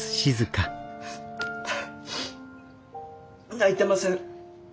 泣いてません。